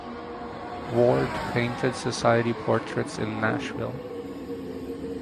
Ward painted society portraits in Nashville.